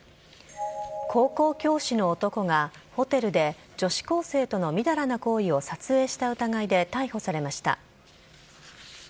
高校教師の男がホテルで女子高生とのみだらな行為を撮影した疑いで逮捕されました。